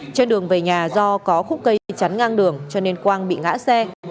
trên đường về nhà do có khúc cây chắn ngang đường cho nên quang bị ngã xe